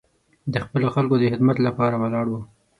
د خپلو خلکو د خدمت لپاره ولاړ و.